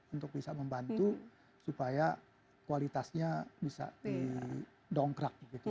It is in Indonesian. untuk bisa membantu supaya kualitasnya bisa didongkrak